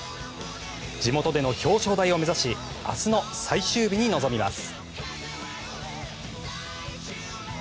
地元での表彰台を目指し明日の最終日に臨みます。